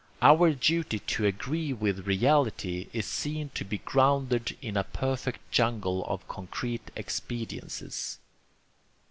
Our duty to agree with reality is seen to be grounded in a perfect jungle of concrete expediencies.